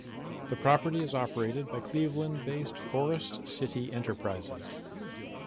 The property is operated by Cleveland-based Forest City Enterprises.